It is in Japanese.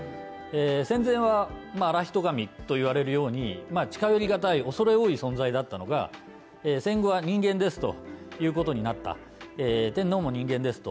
戦前は現人神と言われるように近寄りがたい恐れ多い存在だったのが、戦後は人間ですということになった天皇も人間ですと。